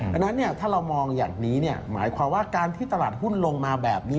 ดังนั้นถ้าเรามองอย่างนี้หมายความว่าการที่ตลาดหุ้นลงมาแบบนี้